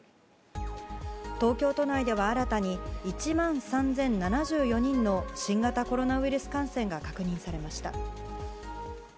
東京都内では新たに１万３０７４人の新型コロナウイルス感染が確認されました。